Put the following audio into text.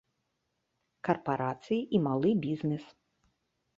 Карпарацыі і малы бізнэс.